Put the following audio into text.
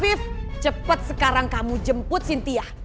fit cepet sekarang kamu jemput sintia